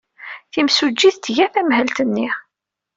Timsujjit tga tamhelt-nni.